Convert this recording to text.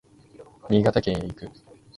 新潟県へ行く